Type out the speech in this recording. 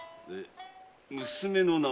娘の名は？